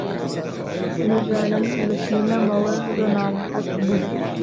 دەزانم بە سینەمەوە زۆر ناڕەحەت بوون